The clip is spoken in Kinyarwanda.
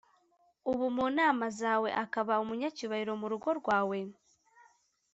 uba mu nama zawe akaba umunyacyubahiro mu rugo rwawe?